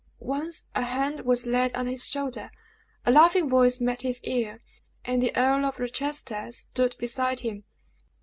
Once a hand was laid on his shoulder, a laughing voice met his ear, and the Earl of Rochester stood beside him!